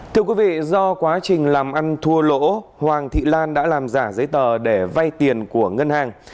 thưa quý vị do quá trình làm ăn thua lỗ hoàng thị lan đã làm giả giấy tờ để vay tiền của ngân hàng